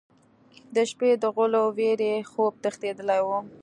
د شپې د غلو وېرې خوب تښتولی و.